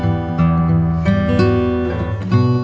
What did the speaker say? terima kasih ya mas